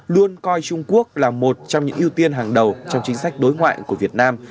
luôn coi trung quốc là một trong những ưu tiên hàng đầu trong chính sách đối ngoại của việt nam